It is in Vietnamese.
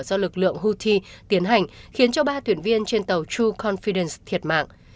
do lực lượng houthi tiến hành khiến cho ba thuyền viên trên tàu true confidence thiệt mạng